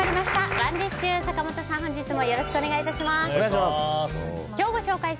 ＯｎｅＤｉｓｈ坂本さん、本日もよろしくお願いいたします。